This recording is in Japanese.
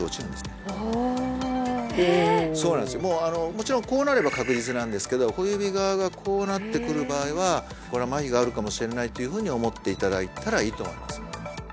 もちろんこうなれば確実なんですけど小指側がこうなってくる場合はこれは麻痺があるかもしれないというふうに思っていただいたらいいと思います